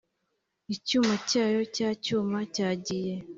icyuma cyayo cya nyuma cyagiye